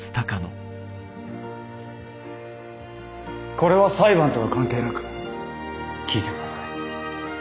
これは裁判とは関係なく聞いてください。